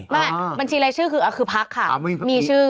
บัญชีรายชื่อคือพักค่ะมีชื่อ